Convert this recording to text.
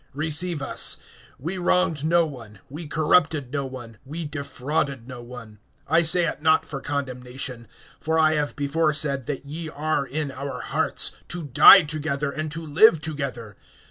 (2)Receive us; we wronged no one, we corrupted no one, we defrauded no one. (3)I say it not for condemnation; for I have before said, that ye are in our hearts, to die together and to live together.